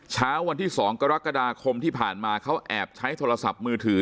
เช้าวันที่๒กรกฎาคมที่ผ่านมาเขาแอบใช้โทรศัพท์มือถือ